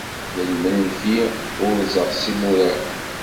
D lmenfi urzeɣ s yimurar.